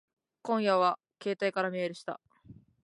今夜は携帯からメールした。